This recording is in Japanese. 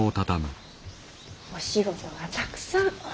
お仕事がたくさん。